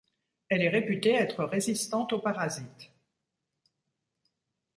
Elle est réputée être résistante aux parasites.